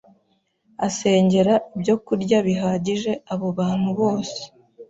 asengera ibyokurya bihagije abo bantu bose.